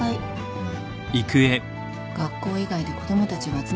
うん？